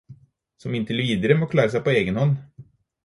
Som inntil videre må klare seg på egen hånd.